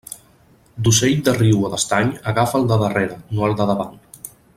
D'ocell de riu o d'estany, agafa el de darrere, no el de davant.